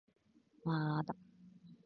まーだ